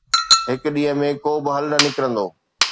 هڪ ڏينهن ۾ ڪو به حل نه نڪرندو.